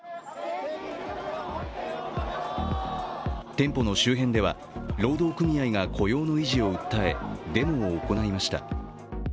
店舗の周辺では労働組合が雇用の維持を訴え、デモを行いました。